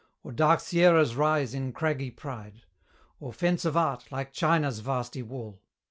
Or dark sierras rise in craggy pride? Or fence of art, like China's vasty wall?